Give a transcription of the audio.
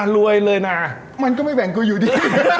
รวยเลยนะมันก็ไม่แบ่งกูอยู่ดี